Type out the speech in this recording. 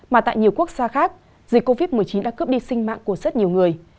mà tại nhiều quốc gia khác dịch covid một mươi chín đã cướp đi sinh mạng của rất nhiều người